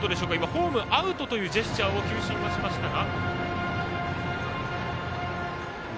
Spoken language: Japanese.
ホームアウトというジェスチャーを球審はしましたが。